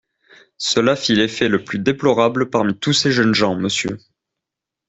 Cela fit l'effet le plus déplorable parmi tous ces jeunes gens, Monsieur!